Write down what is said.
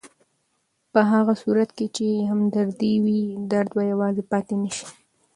په هغه صورت کې چې همدردي وي، درد به یوازې پاتې نه شي.